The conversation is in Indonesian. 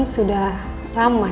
si buruk rupa